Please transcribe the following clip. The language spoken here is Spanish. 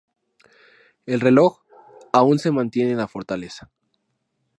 El reloj aún se mantiene en La Fortaleza.